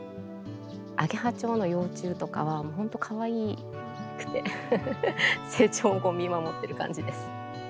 アゲハチョウの幼虫とかは本当かわいくて成長を見守ってる感じです。